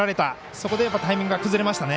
そこでタイミングが崩れましたね。